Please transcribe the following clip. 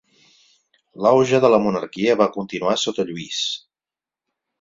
L'auge de la monarquia va continuar sota Lluís.